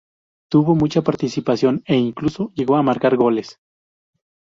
Tuvo mucha participación e incluso llegó a marcar goles.